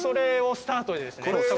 スタートですね。